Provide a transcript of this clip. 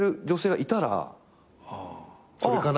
それかな？